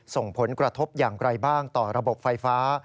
ส่งผลกระทบอย่างไรบ้างต่อระบบไฟฟ้า